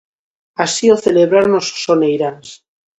Así o celebraron os soneiráns.